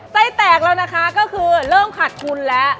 ไส้แตกแล้วนะคะก็คือเริ่มขาดทุนแล้ว